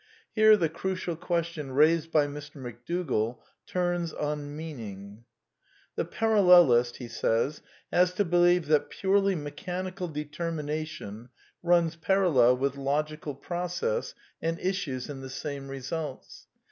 Here the crucial question raised by Mr. McDougall turns on meaning. " The parallelist has to believe that purely mechanical deter ^/ mination runs parallel with logical process and issues in the^^^ same results.